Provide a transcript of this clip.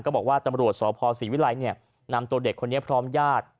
บอกว่าตำรวจสพศรีวิรัยนำตัวเด็กคนนี้พร้อมญาติ